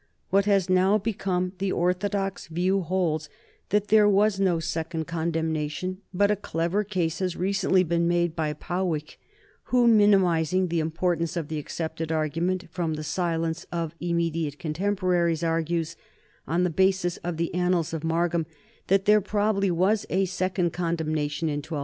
What has now become the orthodox view holds that there was no second condemnation, NORMANDY AND FRANCE 139 but a clever case has recently been made by Powicke, who, minimizing the importance of the accepted argu ment from the silence of immediate contemporaries, argues, on the basis of the Annals of Mar gam, that there probably was a second condemnation in 1204.